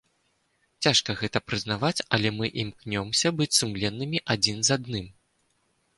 Цяжка гэта прызнаваць, але мы імкнёмся быць сумленнымі адзін з адным.